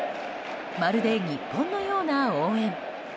まるで日本のような応援。